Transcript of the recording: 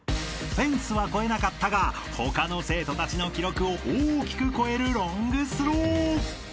［フェンスは越えなかったが他の生徒たちの記録を大きく超えるロングスロー］